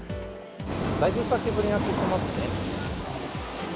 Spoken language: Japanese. だいぶ久しぶりな気がしますね。